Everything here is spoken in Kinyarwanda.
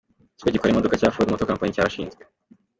Ikigo gikora imodoka cya Ford Motor Company cyarashinzwe.